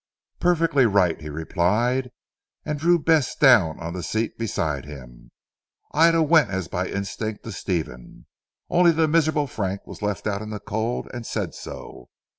"Perfectly right," he replied, and drew Bess down on the seat beside him. Ida went as by instinct to Stephen. Only the miserable Frank was left out in the cold, and said so.